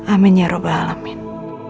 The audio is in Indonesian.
amin ya roh bahal amin